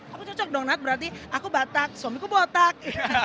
dan aku cocok dong nak berarti aku batak suamiku botak